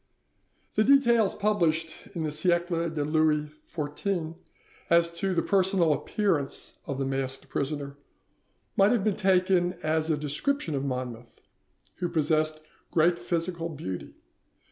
The details published in the 'Siecle de Louis XIV' as to the personal appearance of the masked prisoner might have been taken as a description of Monmouth, who possessed great physical beauty.